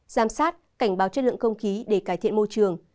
giám sát cảnh báo chất lượng không khí để cải thiện môi trường